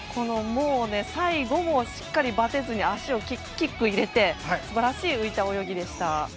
最後もしっかりばてずに足でキックを入れて素晴らしい泳ぎでした。